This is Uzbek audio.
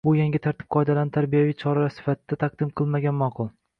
Bu yangi tartib-qoidalarni tarbiyaviy choralar sifatida taqdim qilmagan ma’qul.